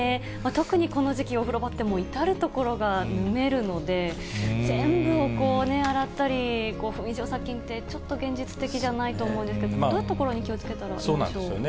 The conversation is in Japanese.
特にこの時期、お風呂場って至る所がぬめるので、全部を洗ったり、５分以上殺菌ってちょっと現実的じゃないと思うんですけど、どんなところに気をつけたらいいんでしょう。